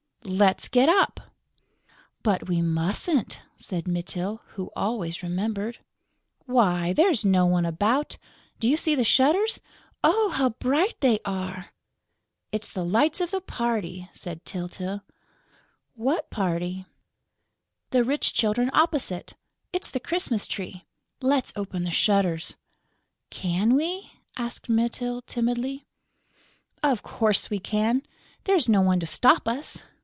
"Let's get up." "But we mustn't," said Mytyl, who always remembered. "Why, there's no one about!... Do you see the shutters?" "Oh, how bright they are!..." "It's the lights of the party," said Tyltyl. "What party?" "The rich children opposite. It's the Christmas tree. Let's open the shutters...." "Can we?" asked Mytyl, timidly. "Of course we can; there's no one to stop us....